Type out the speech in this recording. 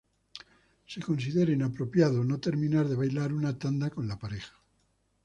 Se considera inapropiado no terminar de bailar una tanda con la pareja.